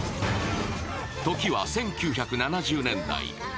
時は１９７０年代。